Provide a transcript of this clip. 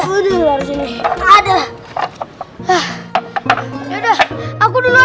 aku dulu aku dulu